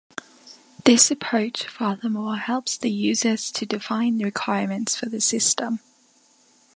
This approach furthermore helps the users to define the requirements for the system.